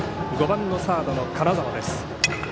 ５番のサードの金沢です。